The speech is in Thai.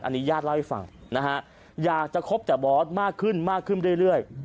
อันนี้ญาติเล่าให้ฟังนะฮะอยากจะคบแต่บอสมากขึ้นมากขึ้นเรื่อย